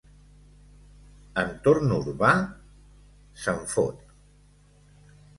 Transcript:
Entorn urbà? —se'n fot—.